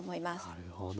なるほど。